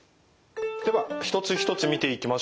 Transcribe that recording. では一つ一つ見ていきましょう。